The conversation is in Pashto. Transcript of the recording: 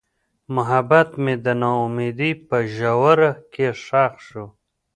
محبت مې د نا امیدۍ په ژوره کې ښخ شو.